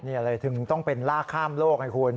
นี่เลยถึงต้องเป็นลากข้ามโลกไงคุณ